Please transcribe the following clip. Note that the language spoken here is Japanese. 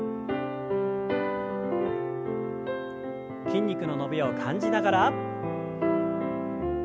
筋肉の伸びを感じながら。